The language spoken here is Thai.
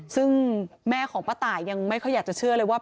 ซึ่งแม่ของป้าตายยังไม่ค่อยอยากจะเชื่อเลยว่า